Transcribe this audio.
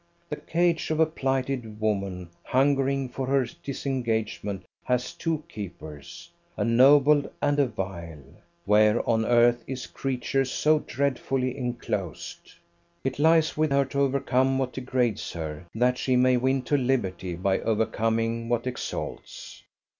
The cage of a plighted woman hungering for her disengagement has two keepers, a noble and a vile; where on earth is creature so dreadfully enclosed? It lies with her to overcome what degrades her, that she may win to liberty by overcoming what exalts.